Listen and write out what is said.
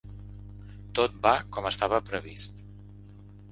Tot va com estava previst.